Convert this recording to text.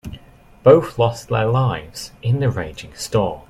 Both lost their lives in the raging storm.